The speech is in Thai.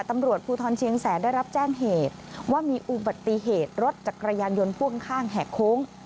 ตำรวจภูทรเชียงแสนได้รับแจ้งเหตุว่ามีอุบัติเหตุรถจักรยานยนต์พ่วงข้างแหกโค้ง